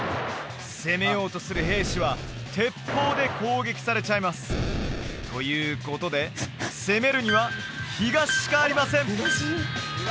攻めようとする兵士は鉄砲で攻撃されちゃいます！ということで攻めるには東しかありません！